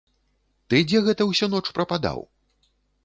Ты дзе гэта ўсю ноч прападаў?